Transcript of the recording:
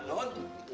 wah datang teh